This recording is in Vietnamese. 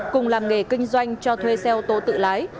cùng làm nghề kinh doanh cho thuê xe ô tô tự lái